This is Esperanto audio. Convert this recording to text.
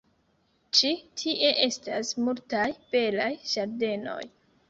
Ĉi tie estas multaj belaj ĝardenoj.